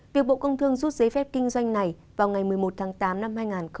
việc bộ công thương rút giấy phép kinh doanh này vào ngày một mươi một tháng tám năm hai nghìn hai mươi